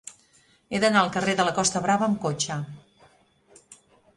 He d'anar al carrer de la Costa Brava amb cotxe.